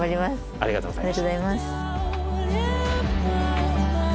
ありがとうございます。